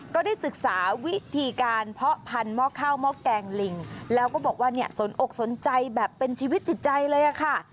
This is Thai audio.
ก็ได้ศึกษาวิธีการเพาะพันธุ์หม้อข้าวหม้อแกงลิงแล้วก็บอกว่าเนี่ยสนอกสนใจแบบเป็นชีวิตจิตใจเลยค่ะ